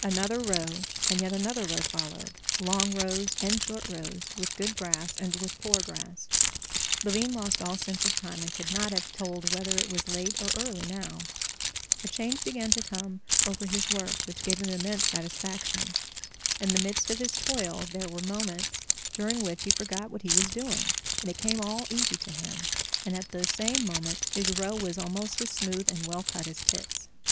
Another row, and yet another row, followed—long rows and short rows, with good grass and with poor grass. Levin lost all sense of time, and could not have told whether it was late or early now. A change began to come over his work, which gave him immense satisfaction. In the midst of his toil there were moments during which he forgot what he was doing, and it came all easy to him, and at those same moments his row was almost as smooth and well cut as Tit's.